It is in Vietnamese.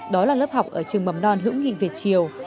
đó là lớp học ở trường mầm non hữu nghị việt triều